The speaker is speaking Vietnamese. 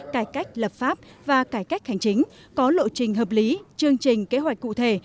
cải cách lập pháp và cải cách hành chính có lộ trình hợp lý chương trình kế hoạch cụ thể